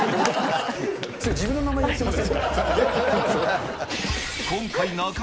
それ、自分の名前言ってます